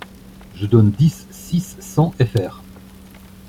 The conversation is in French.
Je donne dix.six cents fr.